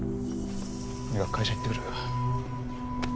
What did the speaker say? とにかく会社行ってくる。